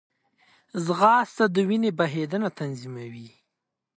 ځغاسته د وینې بهېدنه تنظیموي